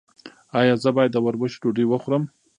ایا زه باید د وربشو ډوډۍ وخورم؟